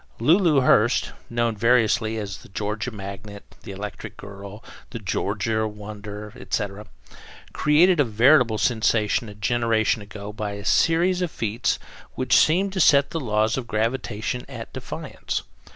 Lulu Hurst known variously as The Georgia Magnet, The Electric Girl, The Georgia Wonder, etc. created a veritable sensation a generation ago by a series of feats which seemed to set the law of gravitation at defiance.